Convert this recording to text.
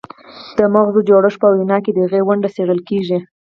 د مغزو جوړښت او په وینا کې د هغې ونډه څیړل کیږي